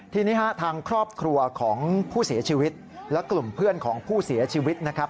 ทีนี้ฮะทางครอบครัวของผู้เสียชีวิตและกลุ่มเพื่อนของผู้เสียชีวิตนะครับ